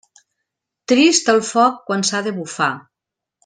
Trist el foc quan s'ha de bufar.